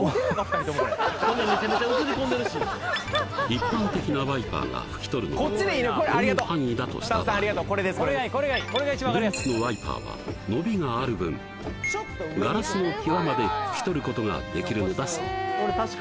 一般的なワイパーが拭き取るのがこの範囲だとした場合ベンツのワイパーは伸びがある分ガラスの際まで拭き取ることができるのだそう